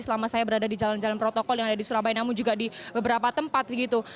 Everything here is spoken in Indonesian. selama saya berada di jalan jalan protokol yang ada di surabaya namun juga di beberapa tempat begitu